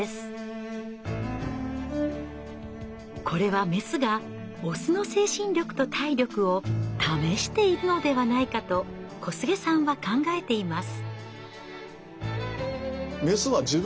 これはメスがオスの精神力と体力を試しているのではないかと小菅さんは考えています。